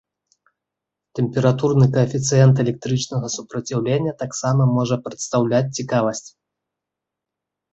Тэмпературны каэфіцыент электрычнага супраціўлення таксама можа прадстаўляць цікавасць.